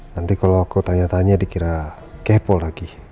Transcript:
nanti kalau aku tanya tanya dikira kepo lagi